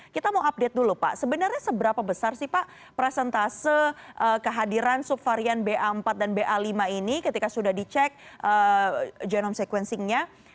kita mau update dulu pak sebenarnya seberapa besar sih pak presentase kehadiran subvarian ba empat dan ba lima ini ketika sudah dicek genome sequencingnya